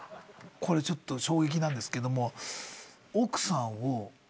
これちょっと衝撃なんですけども。